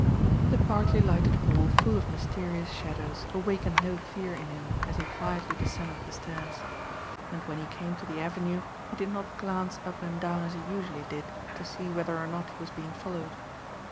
The partly lighted hall full of mysterious shadows awakened no fear in him as he quietly descended the stairs. And when he came to the avenue he did not glance up and down as he usually did to see whether or not he was being followed.